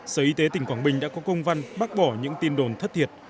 sở y tế tỉnh quảng bình đã có công văn bác bỏ những tin đồn thất thiệt